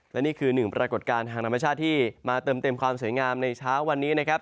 และนี่คือหนึ่งปรากฏการณ์ทางธรรมชาติที่มาเติมเต็มความสวยงามในเช้าวันนี้นะครับ